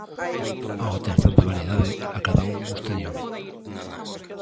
Ao ter tanta variedade, a cada un gústalle un.